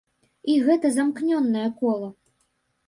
І гэта замкнёнае кола.